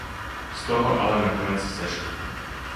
Z toho ale nakonec sešlo.